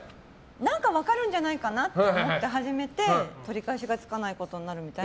何か分かるんじゃないかなと思って始めて取り返しがつかないことになるみたいな。